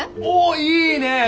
おっいいね。